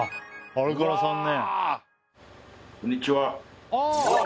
こんにちは。